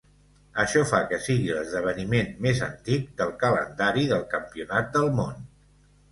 Això fa que sigui l'esdeveniment més antic del calendari del Campionat del Món.